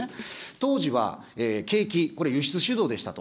当時は景気、これ輸出主導でしたと。